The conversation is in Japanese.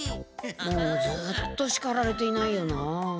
もうずっとしかられていないよな。